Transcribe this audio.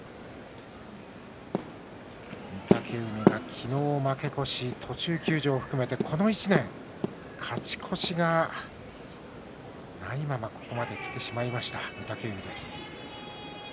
御嶽海が昨日負け越し途中休場も含めて、この１年勝ち越しがないままここまできてしまいました。